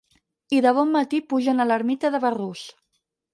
I de bon matí pugen a l'ermita de Berrús.